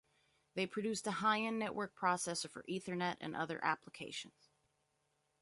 They produced a high-end network processor for Ethernet and other applications.